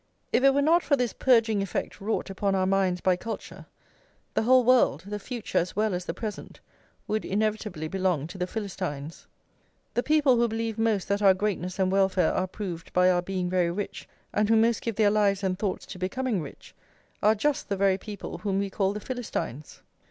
If it were not for this purging effect wrought upon our minds by culture, the whole world, the future as well as the present, would inevitably belong to the Philistines. The people who believe most that our greatness and welfare are proved by our being very rich, and who most give their lives and thoughts to becoming rich, are just the very people whom we call the Philistines.